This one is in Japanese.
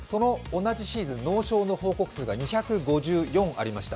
同じシーズン、脳症の報告数が２５４ありました。